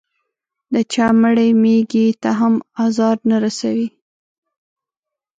د چا مړې مېږې ته هم ازار نه رسوي.